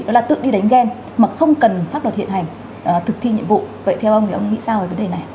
đó là tự đi đánh ghen mà không cần pháp luật hiện hành thực thi nhiệm vụ vậy theo ông thì ông nghĩ sao về vấn đề này